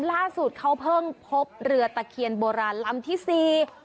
ล่าสุดเขาเพิ่งพบเรือตะเคียนโบราณลำที่สี่